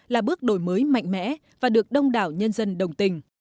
là bước đổi mới mạnh mẽ và được đông đảo nhân dân đồng tình